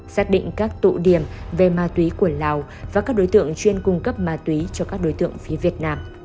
xác định các tụ điểm về ma túy của lào và các đối tượng chuyên cung cấp ma túy cho các đối tượng phía việt nam